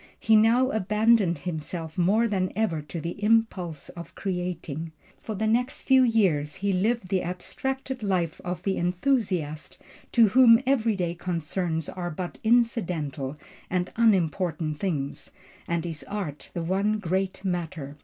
He now abandoned himself more than ever to the impulse for creating. For the next few years he lived the abstracted life of the enthusiast to whom every day concerns are but incidental and unimportant things, and his art the one great matter.